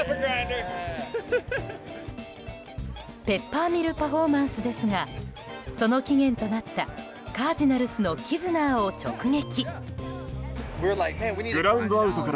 ペッパーミルパフォーマンスですがその起源となったカージナルスのキズナーを直撃。